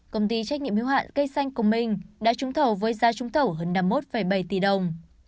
công ty trách nhiệm hiếu hạn cây xanh công minh đã trúng thầu với giá trúng thầu hơn năm mươi một bảy tỷ đồng